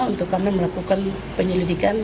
untuk kami melakukan penyelidikan